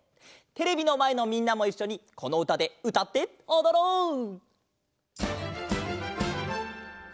テレビのまえのみんなもいっしょにこのうたでうたっておどろう！